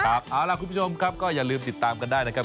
เอาล่ะคุณผู้ชมครับก็อย่าลืมติดตามกันได้นะครับ